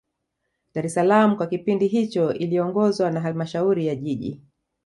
dar es salaam kwa kipindi hicho iliongozwa na halmashauri ya jiji